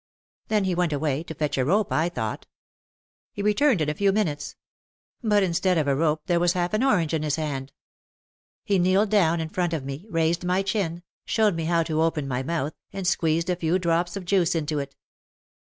Then he went away, to fetch a rope, I thought He returned in a few minutes. But instead of a rope there was half an orange in his hand. He kneeled down in front of me, raised my chin, showed me how to open my mouth and squeezed a few drops of juice into it.